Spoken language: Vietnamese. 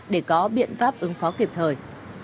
để có biện pháp ứng phó kịp thời